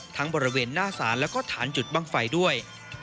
ทั้งบริเวณหน้าศาลและฐานจุดบ้างไฟด้วย